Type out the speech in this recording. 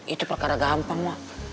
itu perkara gampang mak